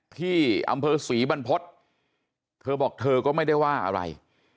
ที่อำเภอศรีบรรพฤษเธอบอกเธอก็ไม่ได้ว่าอะไร